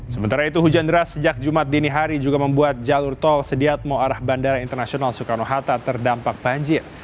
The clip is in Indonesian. sementara itu hujan deras sejak jumat dini hari juga membuat jalur tol sediatmo arah bandara internasional soekarno hatta terdampak banjir